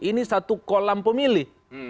ini satu kolam pemilih